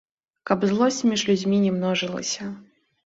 Каб злосць між людзьмі не множылася.